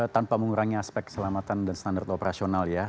tanpa mengurangi aspek keselamatan dan standar operasional ya